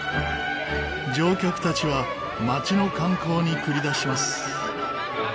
乗客たちは街の観光に繰り出します。